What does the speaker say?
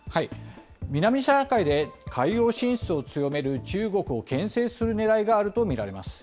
南シナ海で海洋進出を強める中国をけん制するねらいがあると見られます。